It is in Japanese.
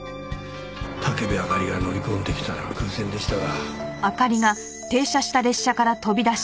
武部あかりが乗り込んできたのは偶然でしたが。